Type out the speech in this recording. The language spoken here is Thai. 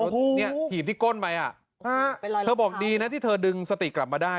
เออโอ้โหเนี้ยถีบที่ก้นไหมอ่ะฮะเธอบอกดีนะที่เธอดึงสติกกลับมาได้